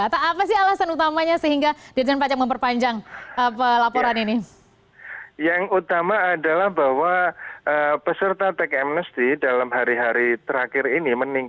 atau apa sih alasan utamanya sehingga dirjen pajak memperpanjang